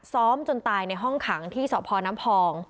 ซ้อมจนตายในห้องขังที่สพน้ำพอง